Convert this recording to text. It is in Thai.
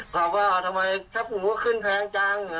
คำว่าทำไมแชบหัวขึ้นแพงจังนะครับ